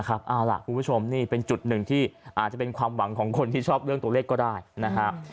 เอาล่ะคุณผู้ชมนี่เป็นจุดหนึ่งที่อาจจะเป็นความหวังของคนที่ชอบเรื่องตัวเลขก็ได้นะครับ